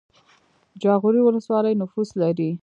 جاغوری ولسوالۍ نفوس لري؟